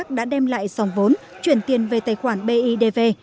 công ty bình hà và công ty trung dũng đã đem lại dòng vốn chuyển tiền về tài khoản bidv